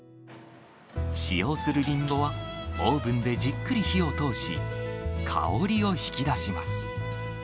使用するリンゴは、オーブンでじっくり火を通し、香りを引き出します。